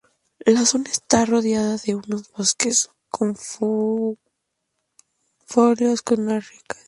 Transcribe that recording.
La zona está rodeada de unos bosques caducifolios con una rica diversidad biológica.